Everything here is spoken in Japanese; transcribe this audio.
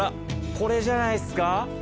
これじゃないっすか？